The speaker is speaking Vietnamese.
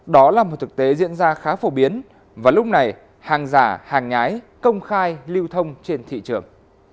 đó là một thực tế diễn ra khá phổ biến và lúc này hàng giả hàng nhái công khai lưu thông trên thị trường